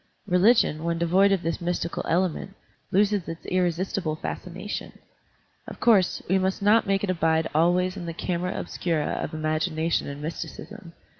Religion, when devoid of this mystical element, loses its irresistible fascination. Of cotirse, we must not make it abide always in the camera obscura of imagination and mysti cism.